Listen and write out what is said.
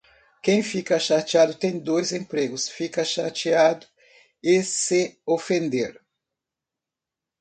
Quem fica chateado tem dois empregos: ficar chateado e se ofender.